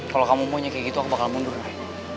kalo kamu mau nyekik itu aku bakal mundur ray